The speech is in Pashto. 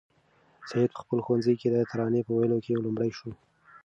سعید په خپل ښوونځي کې د ترانې په ویلو کې لومړی شو.